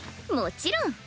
もちろん。